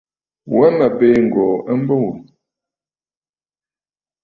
Wa mə̀ biì ŋ̀gòò a mbo wò.